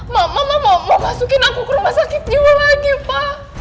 mak mama mau masukin aku ke rumah sakit jiwa lagi pak